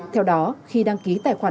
theo đó khi đăng ký tài khoản